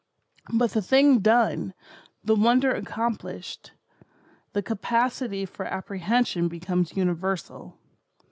But, the thing done, the wonder accomplished, and the capacity for apprehension becomes universal.